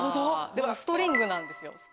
でもストリングなんですよ。